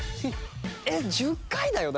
えっ１０回だよ？